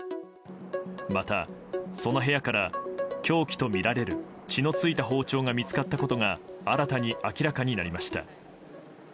また、その部屋から凶器とみられる血の付いた包丁が見つかったことが新たに明らかになりました。